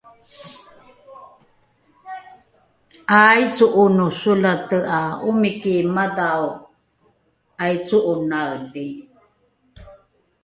’aaico’ono solate ’a omiki madhao ’aico’onaeli